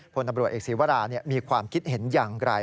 พลตำรวจเอกศีวรามีความคิดเห็นอย่างไร